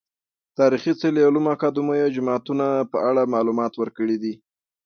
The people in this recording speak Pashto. تاريخي څلي، علومو اکادميو، جوماتونه په اړه معلومات ورکړي دي .